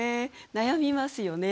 悩みますよね